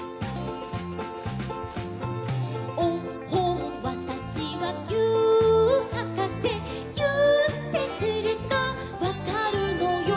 「おっほんわたしはぎゅーっはかせ」「ぎゅーってするとわかるのよ」